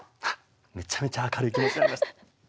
めちゃめちゃ明るい気持ちになりました。